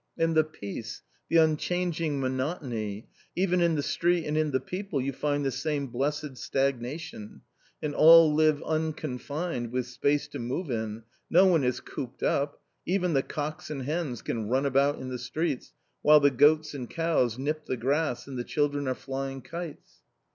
And the peace, the unchanging monotony — even in the street and in the people you find this same blessed stagnation ! And all live unconfined, with space to move in ; no one is cooped up ; even the cocks and hens can run about in the streets, while the goats and cows nip the grass and the children are flying kites.